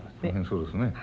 そうですね。